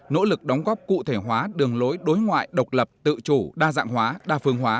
nỗ lực đóng góp cụ thể hóa đường lối đối ngoại độc lập tự chủ đa dạng hóa đa phương hóa